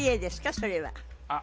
それは・あっ